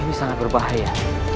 ini sangat berbahaya